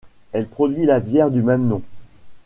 Elle produit la bière du même nom.